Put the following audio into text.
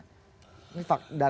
ini pak data yang menggunakan